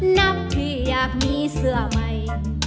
นับพี่อยากมีเสื้อใหม่